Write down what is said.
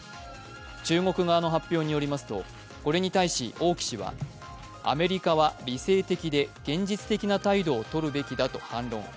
中国側の発表によりますとこれにたいし王毅氏はアメリカは理性的で現実的な態度を取るべきだと反論。